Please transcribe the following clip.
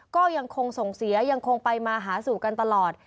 ก็ยังคงส่งเสียยังคงไปมาหาสู่กันตลอด